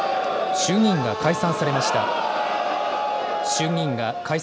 衆議院が解散されました。